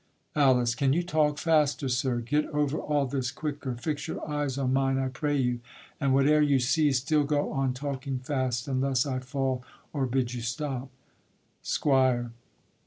ALICE. Can you talk faster, sir, Get over all this quicker? fix your eyes On mine, I pray you, and whate'er you see, Still go on talking fast, unless I fall, Or bid you stop. SQUIRE.